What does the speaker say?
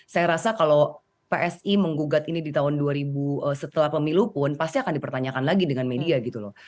saya rasa kalau psi menggugat ini di tahun dua ribu setelah pemilu pun pasti akan dipertanyakan lagi dengan media gitu loh